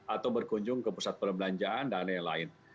atau berkunjung ke pusat perbelanjaan dan lain lain